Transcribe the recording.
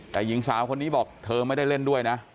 แต่หญิงสาวคนนี้บอกเธอไม่ได้เล่นด้วยนะ